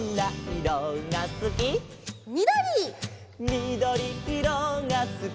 「みどりいろがすき」